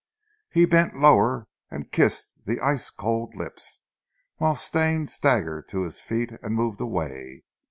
He bent lower and kissed the ice cold lips, whilst Stane staggered to his feet, and moved away.